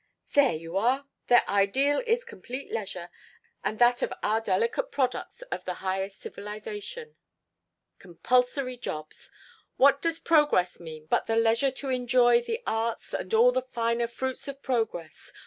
"There you are! Their ideal is complete leisure, and that of our delicate products of the highest civilization compulsory jobs! What does progress mean but the leisure to enjoy the arts and all the finer fruits of progress?